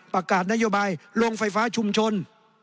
ประกาศนโยบายลงไฟฟ้าชุมชน